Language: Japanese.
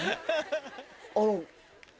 あの。